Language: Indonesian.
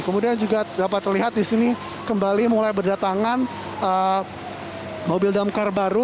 kemudian juga dapat terlihat di sini kembali mulai berdatangan mobil damkar baru